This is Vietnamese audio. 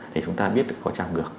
thì chúng ta biết có trầm được